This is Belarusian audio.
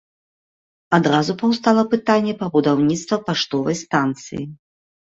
Адразу паўстала пытанне пра будаўніцтва паштовай станцыі.